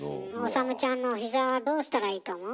理ちゃんの膝はどうしたらいいと思う？